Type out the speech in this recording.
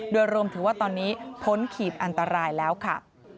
โดยรวมถือว่าตอนนี้พ้นขีดอันตรายแล้วค่ะ